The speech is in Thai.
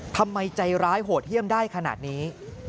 ทำไมใจร้ายโหดเยี่ยมได้ขนาดนี้